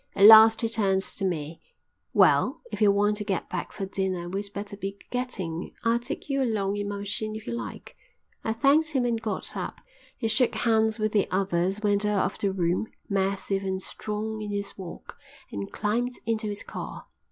At last he turned to me: "Well, if we want to get back for dinner we'd better be getting. I'll take you along in my machine if you like." I thanked him and got up. He shook hands with the others, went out of the room, massive and strong in his walk, and climbed into his car.